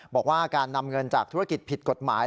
บอกว่าการนำเงินจากธุรกิจผิดกฎหมาย